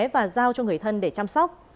và giao cho người thân để chăm sóc